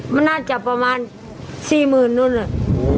มันน่าจะประมาณ๔๐๐๐นู่นแหละ